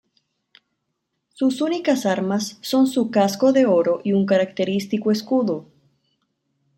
Sus únicas armas son su casco de oro y un característico escudo.